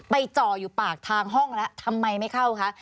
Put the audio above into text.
จ่ออยู่ปากทางห้องแล้วทำไมไม่เข้าคะ